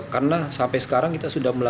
karena sampai sekarang kita sudah berjalan